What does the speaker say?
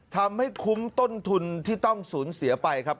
ทำให้คุ้มต้นทุนที่ต้องสูญเสียไปครับ